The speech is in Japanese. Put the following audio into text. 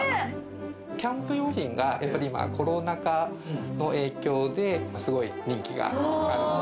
キャンプ用品がやっぱり今、コロナ禍の影響ですごい人気がある。